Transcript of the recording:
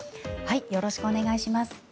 よろしくお願いします。